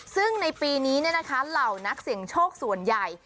ซึ่งในปีนี้เหล่านักเสี่ยงโชคส่วนใหญ่